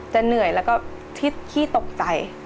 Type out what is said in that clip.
เหนื่อยแล้วก็ขี้ตกใจ